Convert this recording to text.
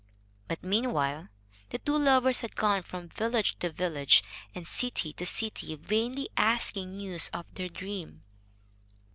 But meanwhile the two lovers had gone from village to village, and city to city, vainly asking news of their dream.